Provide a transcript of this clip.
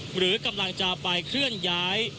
หรือกำลังจะไปเคลื่อนย้าย